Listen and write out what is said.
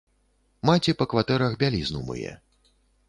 Маці па кватэрах бялізну мые.